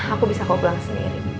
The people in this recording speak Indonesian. aku bisa aku pulang sendiri